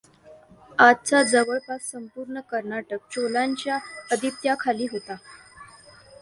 आजचा जवळपास संपूर्ण कर्नाटक चोलांच्या अधिपत्याखाली होता.